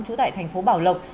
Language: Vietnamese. chủ tại tp bảo lộc